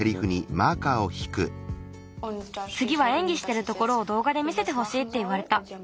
つぎはえんぎしてるところをどうがで見せてほしいっていわれた。